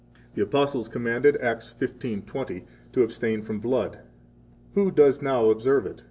65 The Apostles commanded Acts 15:20 to abstain from blood. Who does now observe it?